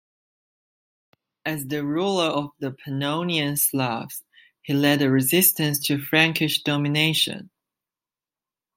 As the ruler of the Pannonian Slavs, he led a resistance to Frankish domination.